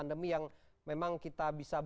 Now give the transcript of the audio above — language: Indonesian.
akan semakin meningkatnya angka infeksi di masyarakat